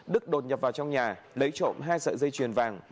đức đột nhập vào trong nhà lấy trộm hai sợi dây chuyền vàng